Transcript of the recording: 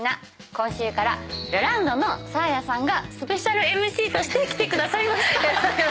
今週からラランドのサーヤさんがスペシャルＭＣとして来てくださいました。